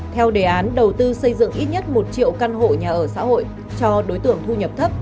theo đề án đầu tư xây dựng ít nhất một triệu căn hộ nhà ở xã hội cho đối tượng thu nhập thấp